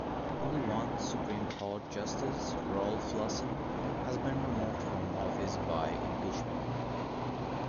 Only one Supreme Court Justice, Rolf Larsen, has been removed from office by impeachment.